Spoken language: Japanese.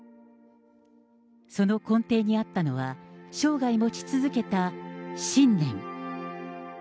その根底にあったのは、生涯持ち続けた信念。